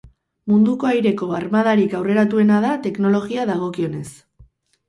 Munduko aireko armadarik aurreratuena da teknologia dagokionez.